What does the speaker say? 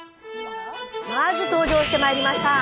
まず登場してまいりました。